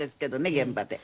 現場で。